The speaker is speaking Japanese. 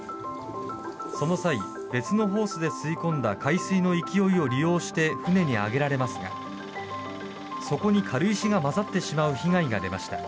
その際、別のホースで吸い込んだ海水の勢いを利用して船に上げられますがそこに軽石が混ざってしまう被害が出ました。